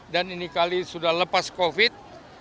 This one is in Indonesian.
dan ini kali sudah lepas covid